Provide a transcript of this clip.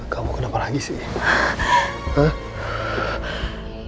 kamu kenapa lagi sih